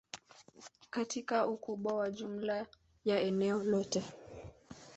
katika ukubwa wa jumla ya eneo lote